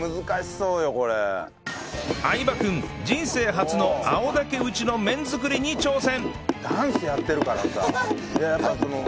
相葉君人生初の青竹打ちの麺作りに挑戦